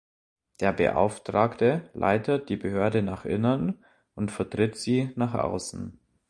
Der Beauftragte leitet die Behörde nach innen und vertritt sie nach außen.